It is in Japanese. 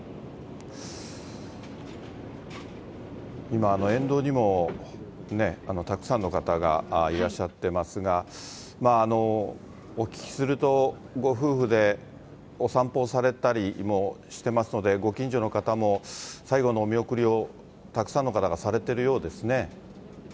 今、沿道にもたくさんの方がいらっしゃっていますが、お聞きすると、ご夫婦でお散歩をされたりもしていますので、ご近所の方も最後のお見送りをたくさんの方がされてるようですね。